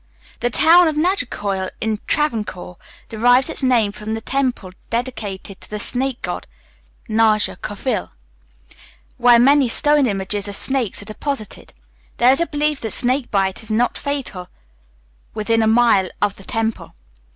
The town of Nagercoil in Travancore derives its name from the temple dedicated to the snake god (naga kovil), where many stone images of snakes are deposited. There is a belief that snake bite is not fatal within a mile of the temple.